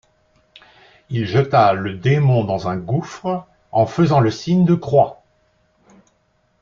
Il jeta le démon dans un gouffre, en faisant le signe de croix.